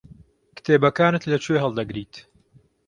کتێبەکانت لەکوێ هەڵدەگریت؟